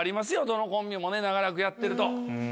どのコンビも長らくやってると。